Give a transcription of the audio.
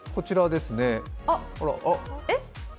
えっ？